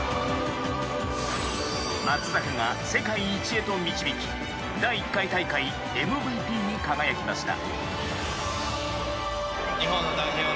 松坂が世界一へと導き第１回大会ＭＶＰに輝きました。